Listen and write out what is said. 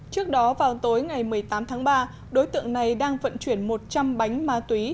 trước đó vào tối ngày một mươi tám tháng ba đối tượng này đang vận chuyển một trăm linh bánh ma túy